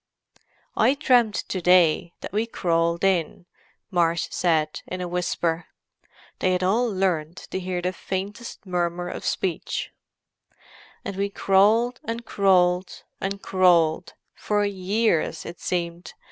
"I dreamed to day that we crawled in," Marsh said, in a whisper—they had all learned to hear the faintest murmur of speech. "And we crawled, and crawled, and crawled: for years, it seemed.